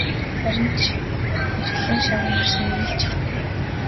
Харин ч эрхлэн шарваганаж нэг л жигтэй.